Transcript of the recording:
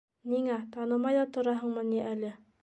Ниңә, танымай ҙа тораһыңмы ни әле?